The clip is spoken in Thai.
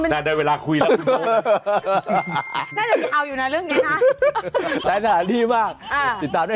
แต่อย่าไปเรื่อยที่อื่นนะ